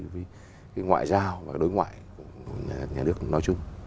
với ngoại giao và đối ngoại của nhà nước nói chung